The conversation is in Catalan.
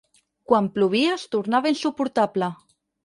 Quan plovia es tornava insuportable.